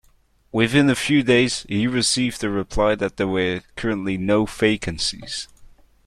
Within a few days he received a reply that there were currently no vacancies.